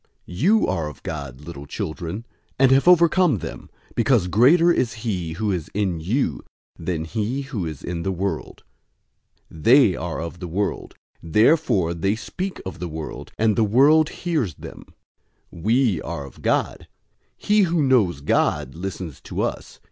004:004 You are of God, little children, and have overcome them; because greater is he who is in you than he who is in the world. 004:005 They are of the world. Therefore they speak of the world, and the world hears them. 004:006 We are of God. He who knows God listens to us.